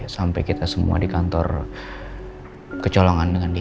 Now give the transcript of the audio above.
sampai kita semua di kantor kecolongan dengan dia